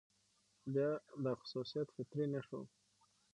بيا دا خصوصيت فطري نه شو،